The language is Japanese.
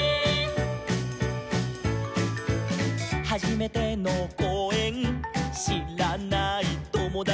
「はじめてのこうえんしらないともだち」